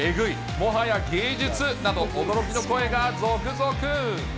もはや芸術など、驚きの声が続々。